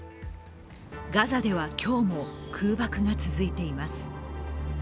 ガザでは今日も空爆が続いています。